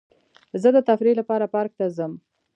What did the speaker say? زه د تفریح لپاره پارک ته ځم.